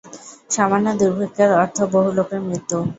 সামান্য দুর্ভিক্ষের অর্থ বহু লোকের মৃত্যু।